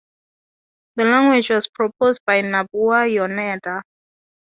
The language was proposed by Nobuo Yoneda.